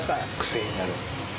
癖になる。